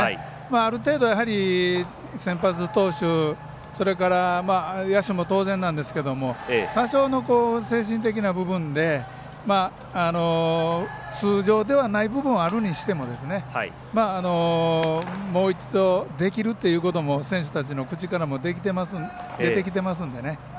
ある程度は先発投手、それから野手も当然なんですけど多少の精神的な部分で通常ではない部分はあるにしてももう一度できるということが選手の口からも出てきていますので。